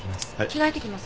着替えてきます。